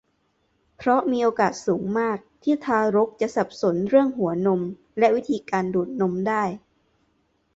เพราะมีโอกาสสูงมากที่ทารกจะสับสนเรื่องหัวนมและวิธีการดูดนมได้